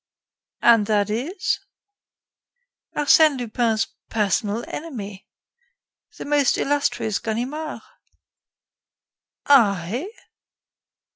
"And that is?" "Arsène Lupin's personal enemy the most illustrious Ganimard." "I?"